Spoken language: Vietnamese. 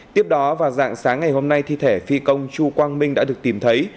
tiếp đó vào dạng sáng ngày hôm nay thi thể phi công chu quang minh đã được tìm thấy